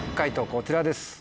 こちらです。